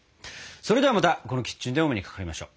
ではまたこのキッチンでお目にかかりましょう。